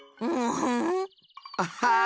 アッハー。